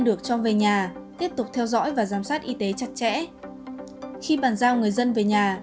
được cho về nhà tiếp tục theo dõi và giám sát y tế chặt chẽ khi bàn giao người dân về nhà